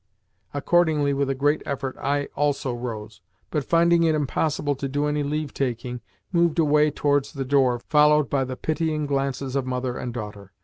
Accordingly, with a great effort I also rose, but, finding it impossible to do any leave taking, moved away towards the door, followed by the pitying glances of mother and daughter.